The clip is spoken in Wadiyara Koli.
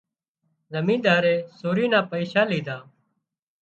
زمينۮارئي سوري نا پئيشا ليڌا